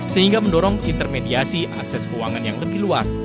sehingga mendorong intermediasi akses keuangan yang lebih luas